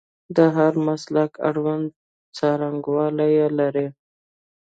د هر مسلک اړوند څانګوال یې لري.